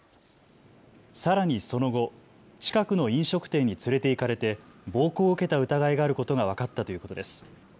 さらにその後、近くの飲食店に連れて行かれて暴行を受けた疑いがあることが分かったということです。